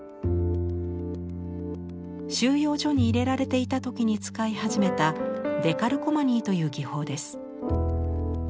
収容所に入れられていた時に使い始めたデカルコマニーという技法です。